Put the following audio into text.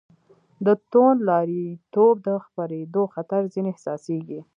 د توندلاریتوب د خپرېدو خطر ځنې احساسېږي.